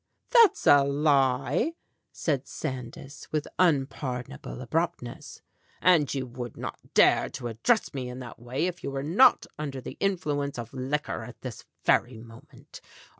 "That's a lie!" said Sandys, with unpardonable abruptness. "And you would not dare to address me in that way if you were not under the influence of liquor at this very moment.